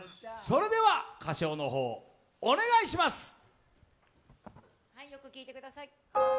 それでは歌唱の方お願いします。